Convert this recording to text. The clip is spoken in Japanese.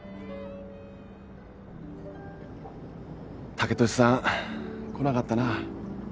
剛利さん来なかったな。